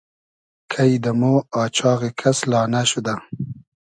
کݷ دۂ مۉ آچاغی کس لانۂ شودۂ